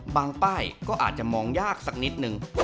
ป้ายก็อาจจะมองยากสักนิดนึง